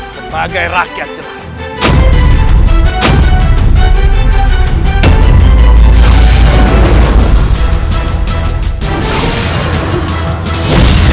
sebagai rakyat jelas